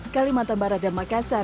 kalimantan barat dan makassar